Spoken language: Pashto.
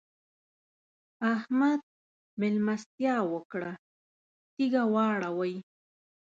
احمد؛ مېلمستيا وکړه - تيږه واړوئ.